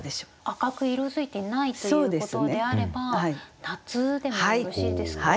赤く色づいていないということであれば夏でもよろしいですか？